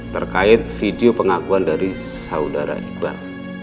terkait video pengakuan dari saudara iqbal